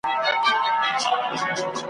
که سل کاله ژوندی یې، آخر د ګور بنده یې